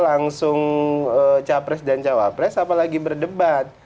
langsung capres dan cawapres apalagi berdebat